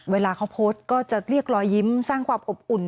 เวลาเขาโพสต์ก็จะเรียกรอยยิ้มสร้างความอบอุ่น